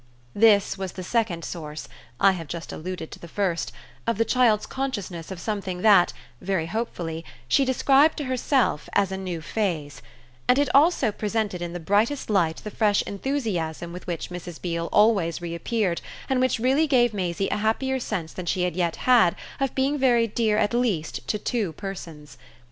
This was the second source I have just alluded to the first of the child's consciousness of something that, very hopefully, she described to herself as a new phase; and it also presented in the brightest light the fresh enthusiasm with which Mrs. Beale always reappeared and which really gave Maisie a happier sense than she had yet had of being very dear at least to two persons.